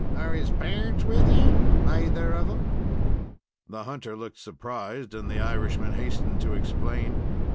"Are his parents with you?" "Naither of 'em." The hunter looked surprised, and the Irishman hastened to explain.